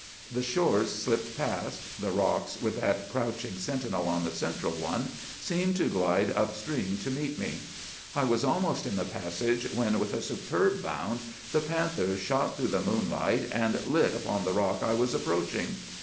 The shores slipped past. The rocks, with that crouching sentinel on the central one, seemed to glide up stream to meet me. I was almost in the passage when, with a superb bound, the panther shot through the moonlight and lit upon the rock I was approaching!